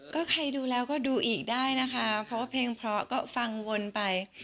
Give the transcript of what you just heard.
ก็ใครดูแล้วก็ดูอีกได้นะคะเพราะว่าเพลงเพราะก็ฟังวนไป